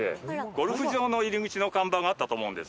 ゴルフ場の入り口の看板があったと思うんです。